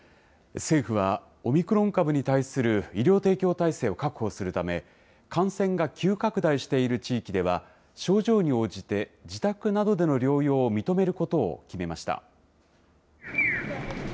政府は、オミクロン株に対する医療提供体制を確保するため、感染が急拡大している地域では、症状に応じて自宅などでの療養を認めることを決めました。